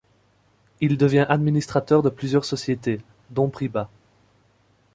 Il devient administrateur de plusieurs sociétés, dont Priba.